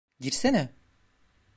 Girsene.